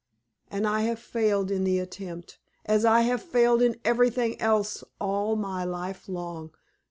And I have failed in the attempt, as I have failed in everything else all my life long.